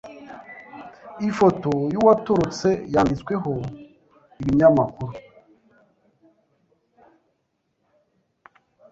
Ifoto yuwatorotse yanditsweho ibinyamakuru.